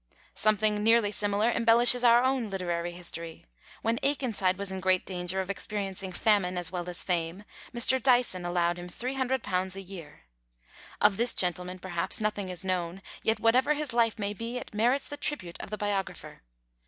Something nearly similar embellishes our own literary history. When Akenside was in great danger of experiencing famine as well as fame, Mr. Dyson allowed him three hundred pounds a year. Of this gentleman, perhaps, nothing is known; yet whatever his life may be, it merits the tribute of the biographer.